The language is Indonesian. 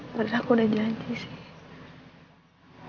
menurut aku udah janji sih